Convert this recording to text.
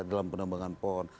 dalam penambangan pohon